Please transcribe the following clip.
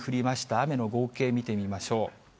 雨の合計、見てみましょう。